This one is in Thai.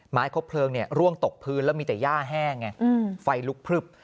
คบเพลิงร่วงตกพื้นแล้วมีแต่ย่าแห้งไงไฟลุกพลึบ